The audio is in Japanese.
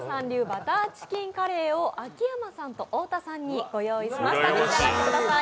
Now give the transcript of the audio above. バターチキンカレーを秋山さんと太田さんにご用意しました召し上がってください。